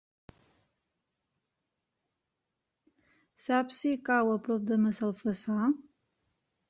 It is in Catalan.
Saps si cau a prop de Massalfassar?